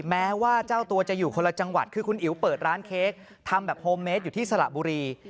แม้ว่าเจ้าตัวจะอยู่คนละจังหวัดคือคุณอิ๋วเปิดร้านเค้กทำแบบโฮมเมสอยู่ที่สระบุรี